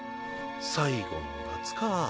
最後の夏か。